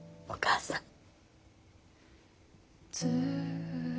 お母さん。